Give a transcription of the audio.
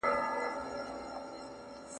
برايي مي خوب لیدلی څوک په غوږ کي راته وايي.